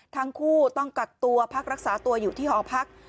ทั้งคู่ต้องกักตัวพักรักษาตัวอยู่ที่หอพัก